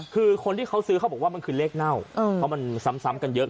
คือคนที่เขาซื้อเขาบอกว่ามันคือเลขเน่าเพราะมันซ้ำกันเยอะ